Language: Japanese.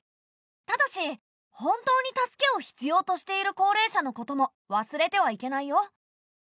ただし本当に助けを必要としている高齢者のことも忘れてはいけないよ。